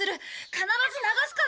必ず流すから。